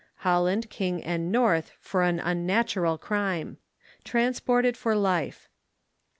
Holland, King, and North for an unnatural crime. TRANSPORTED FOR LIFE.